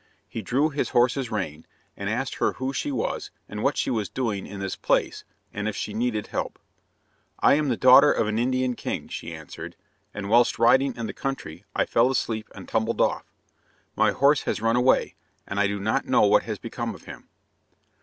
He drew his horse's rein, and asked her who she was and what she was doing in this place, and if she needed help. "I am the daughter of an Indian king," she answered, "and whilst riding in the country I fell asleep and tumbled off. My horse has run away, and I do not know what has become of him."